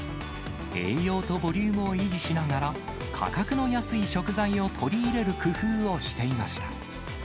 栄養とボリュームを維持しながら、価格の安い食材を取り入れる工夫をしていました。